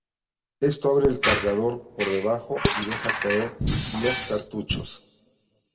Esto abre el cargador por debajo y deja caer los cartuchos.